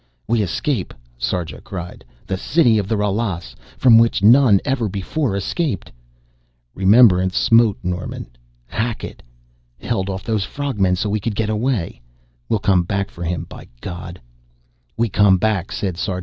"We escape," Sarja cried, "the city of the Ralas, from which none ever before escaped!" Remembrance smote Norman. "Hackett! Held off those frog men so we could get away we'll come back for him, by God!" "We come back!" said Sarja.